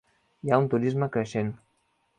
Hi ha un turisme creixent.